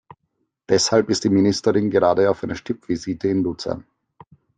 Deshalb ist die Ministerin gerade auf einer Stippvisite in Luzern.